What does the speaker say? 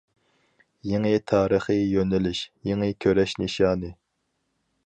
يېڭى تارىخىي يۆنىلىش، يېڭى كۈرەش نىشانى.